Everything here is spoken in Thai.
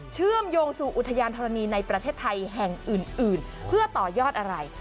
เชื่อมโยงสู่อุทยานธรณีในประเทศไทยแห่งอื่นเพื่อต่อยอดอะไร